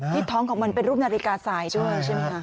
ท้องของมันเป็นรูปนาฬิกาสายด้วยใช่ไหมคะ